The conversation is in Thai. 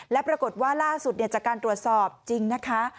และปรากฏว่าล่าสุดจากการตรวจสอบจริงนะคะ